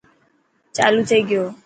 چالو ٿي گيو.